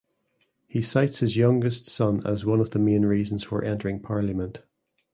He cites his youngest son as one of the main reasons for entering Parliament.